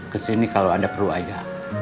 kesini kalau ada peru aja